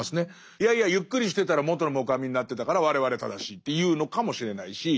いやいやゆっくりしてたら元のもくあみになってたから我々正しいって言うのかもしれないし。